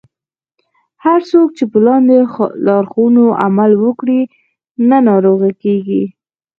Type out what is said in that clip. هر څوک چې په لاندې لارښوونو عمل وکړي نه ناروغه کیږي.